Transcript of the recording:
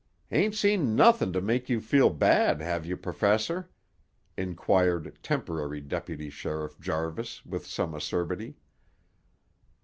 "Ain't seen nothin' to make you feel bad, have you, Perfessor?" inquired Temporary Deputy Sheriff Jarvis with some acerbity.